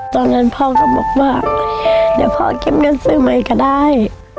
ตอนนั้นพ่อก็บอกว่าเดี๋ยวพ่อเก็บเงินซื้อใหม่ก็ได้